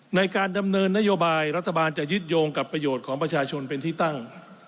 ในการดำเนินนโยบายรัฐบาลจะยึดโยงกับประโยชน์ของประชาชนเป็นที่ตั้ง